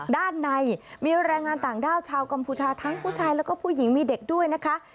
ด้านในมีแรงงานต่างด้าวชาวกัมพูชาทั้งผู้ชายแล้วก็ผู้หญิงมีเด็กด้วยนะคะ